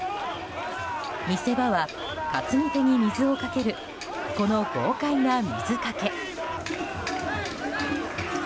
見せ場は、担ぎ手に水をかけるこの豪快な水かけ。